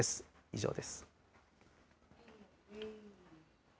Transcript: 以上です。